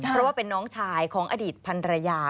เพราะว่าเป็นน้องชายของอดีตพันรยา